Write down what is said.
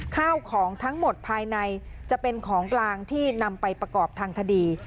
ข้าวของทั้งหมดภายในจะเป็นของกลางที่นำไปประกอบทางคดี